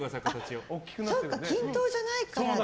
そっか均等じゃないからだ。